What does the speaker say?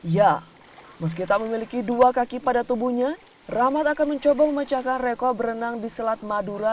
ya meski tak memiliki dua kaki pada tubuhnya rahmat akan mencoba memecahkan rekor berenang di selat madura